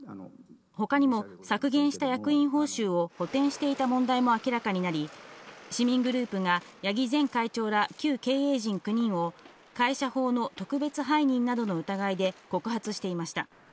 ほかにも削減した役員報酬を補填していた問題も明らかになり、市民グループが、八木前会長ら旧経営陣９人を、会社法の特別背任などの疑いで告発していました。